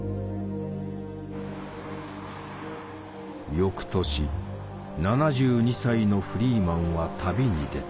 翌年７２歳のフリーマンは旅に出た。